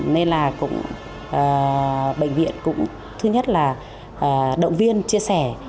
nên là bệnh viện cũng thứ nhất là động viên chia sẻ